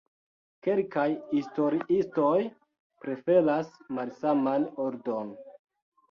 Kelkaj historiistoj preferas malsaman ordon.